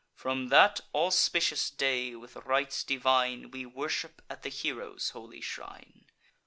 From that auspicious day, with rites divine, We worship at the hero's holy shrine.